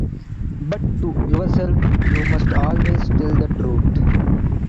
But to yourself you must always tell the truth.